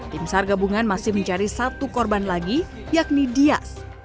timsar gabungan masih mencari satu korban lagi yakni dias